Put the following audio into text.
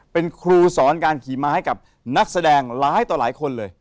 เป็นครูสอนการขี่ม้าให้กับนักแสดงหลายต่อหลายคนเลย